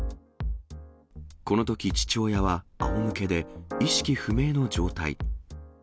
このとき、父親はあおむけで意識不明の状態。